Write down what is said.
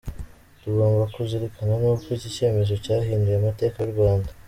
tugomba kuzirikana nuko iki cyemezo cyahinduye amateka y’Urwanda.